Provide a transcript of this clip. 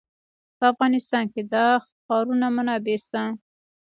په افغانستان کې د ښارونه منابع شته.